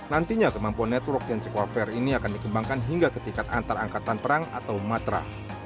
nantinya kemampuan network centric warfare ini akan dikembangkan hingga ke tingkat antarangkatan perang atau matra